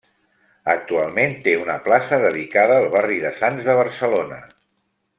Actualment, té una plaça dedicada al barri de Sants de Barcelona.